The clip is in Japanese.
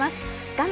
画面